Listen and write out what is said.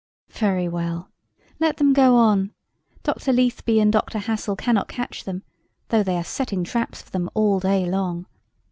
Very well. Let them go on. Dr. Letheby and Dr. Hassall cannot catch them, though they are setting traps for them all day long.